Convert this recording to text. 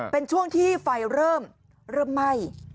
เป็นช่วงที่ไฟเริ่มไหม้